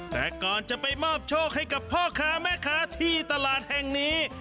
แต่ก่อนจะไปมอบโชคให้กับพ่อค้าแม่ค้าที่ตลาดแห่งนี้